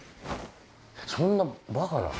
そんなバカな。